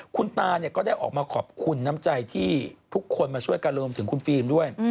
คุณตาก็ได้ออกมาขอบคุณน้ำใจที่ทุกคนมาช่วยกันรวมถึงคุณฟิล์มด้วย